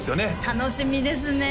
楽しみですね